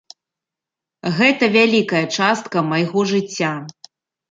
Гэта вялікая частка майго жыцця.